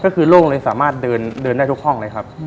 ก็คือโล่งเลยสามารถเดินได้ทุกห้องเลยครับ